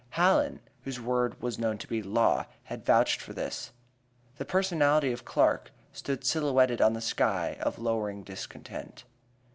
Hallen, whose word was known to be "law," had vouched for this. The personality of Clark stood silhouetted on the sky of lowering discontent.